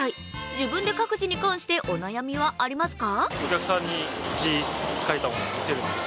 自分で書く字に関してお悩みはありますか？